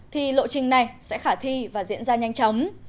thì lộ trình này sẽ khả thi và diễn ra nhanh chóng